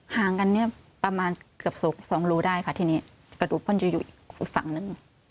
ห่างกันเนี่ยประมาณเกือบสองรูได้ค่ะทีนี้กระดูกพ่นจะอยู่อีกฝั่งหนึ่ง